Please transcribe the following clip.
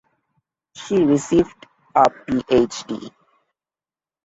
She received a PhD.